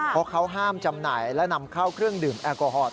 เพราะเขาห้ามจำหน่ายและนำเข้าเครื่องดื่มแอลกอฮอล